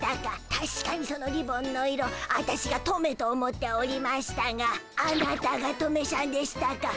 たしかにそのリボンの色ワタシがトメと思っておりましたがあなたがトメさんでしたか。